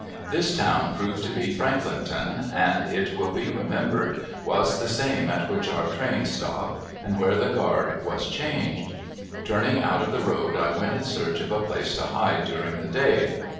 This town proved to be Franklinton, and, it will be remembered, was the same at which our train stopped, and where the guard was changed. Turning out of the road I went in search of a place to hide during the day.